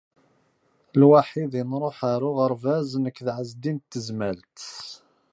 Lwaḥid i nṛuḥ ar uɣerbaz nekk d Ɛezdin n Tezmalt.